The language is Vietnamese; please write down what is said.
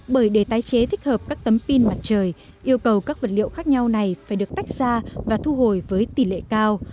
bởi để tái chế thích hợp các tấm pin mặt trời yêu cầu các vật liệu khác nhau này phải được tách ra và thu hồi với tỷ lệ cao